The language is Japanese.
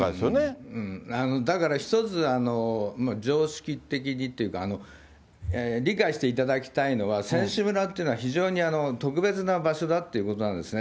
だから一つ、常識的にっていうか、理解していただきたいのは、選手村っていうのは、非常に特別な場所だっていうことなんですね。